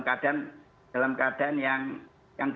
keadaan dalam keadaan yang